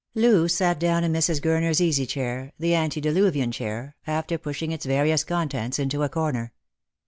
Loo sat down in Mrs. G urner's easy chair — the antediluvian chair — after pushing its various contents into a corner.